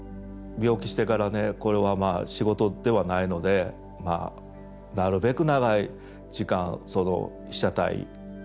病気してからねこれは仕事ではないのでまあなるべく長い時間その被写体と向き合うようにしています。